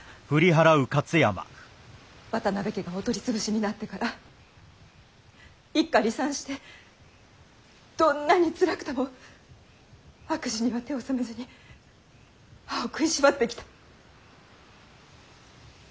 渡辺家がお取り潰しになってから一家離散してどんなにつらくとも悪事には手を染めずに歯を食いしばってきた。